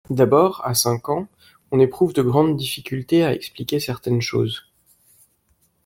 D'abord, a cinq ans, on éprouve de grandes difficultés à expliquer certaines choses.